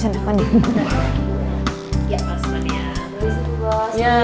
ya pas mandi ya